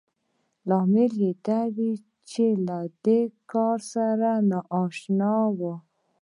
لامل يې دا و چې له دې کار سره نااشنا وو.